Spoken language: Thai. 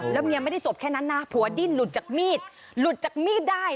แล้วเมียไม่ได้จบแค่นั้นนะผัวดิ้นหลุดจากมีดหลุดจากมีดได้